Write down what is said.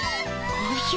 おじゃ。